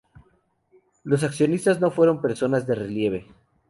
Los accionistas no fueron personas de relieve.